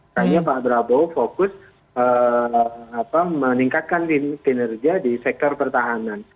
kayaknya pak prabowo fokus meningkatkan kinerja di sektor pertahanan